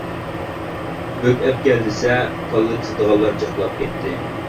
بۆك ئەپ كەل دېسە كاللا كېسىدىغانلار جىقلاپ كەتتى!